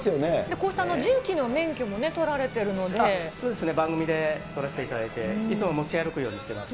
こうした重機の免許も取られそうですね、番組で取らせていただいて、いつも持ち歩くようにしてます。